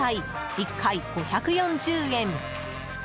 １回５４０円。